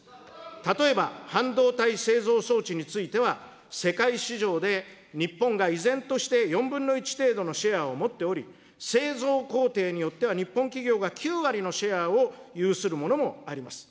例えば半導体製造装置については、世界市場で日本が依然として４分の１程度のシェアを持っており、製造工程によっては、日本企業が９割のシェアを有するものもあります。